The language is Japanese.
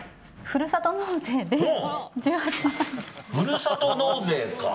ふるさと納税か。